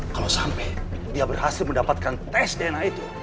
kalau sampai dia berhasil mendapatkan tes dna itu